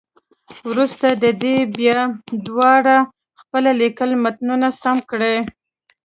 وروسته دې بیا دواړه خپل لیکلي متنونه سم کړي.